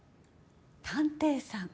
探偵さん。